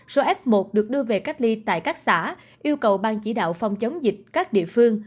số f một được đưa về cách ly tại các xã yêu cầu ban chỉ đạo phòng chống dịch các địa phương